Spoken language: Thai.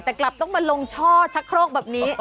แต่กลับต้องมาลงช่อชักโครกแบบนี้